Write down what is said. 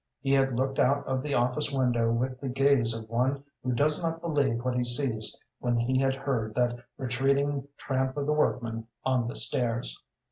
He had looked out of the office window with the gaze of one who does not believe what he sees when he had heard that retreating tramp of the workmen on the stairs.